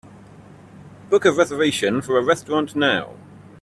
Book a reservation for a restaurant now